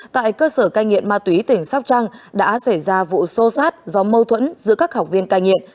tại cơ sở cai nghiện ma túy tỉnh sóc trăng đã xảy ra vụ xô xát do mâu thuẫn giữa các học viên cai nghiện